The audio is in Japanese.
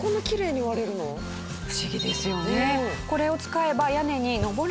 不思議ですよね。